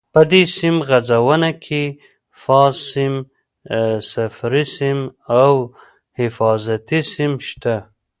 په دې سیم غځونه کې فاز سیم، صفري سیم او حفاظتي سیم شته.